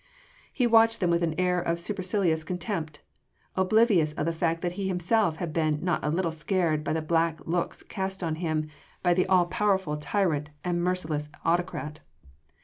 He watched them with an air of supercilious contempt, oblivious of the fact that he himself had been not a little scared by the black looks cast on him by the all powerful tyrant and merciless autocrat.